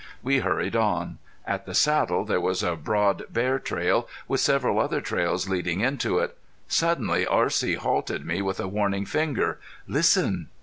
We hurried on. At the saddle there was a broad bear trail with several other trails leading into it. Suddenly R.C. halted me with a warning finger. "Listen!"